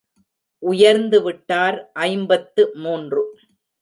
உயர்ந்து விட்டார் ஐம்பத்து மூன்று.